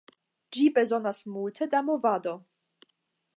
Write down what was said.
Ĝi bezonas multe da movado.